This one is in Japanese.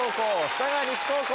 佐賀西高校。